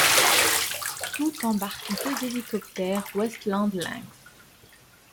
Toutes embarquent deux hélicoptères Westland Lynx.